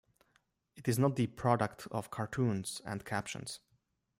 It is not the product of cartoons and captions.